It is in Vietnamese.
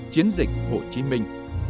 chiến dịch hồ chí minh